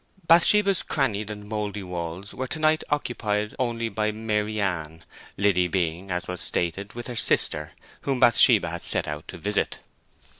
Bathsheba's crannied and mouldy halls were to night occupied only by Maryann, Liddy being, as was stated, with her sister, whom Bathsheba had set out to visit.